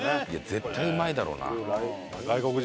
絶対うまいだろうな。